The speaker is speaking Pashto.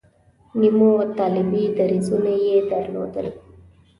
نیمو طالبي دریځونه یې درلودل.